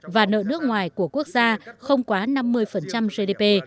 và nợ nước ngoài của quốc gia không quá sáu mươi năm gdp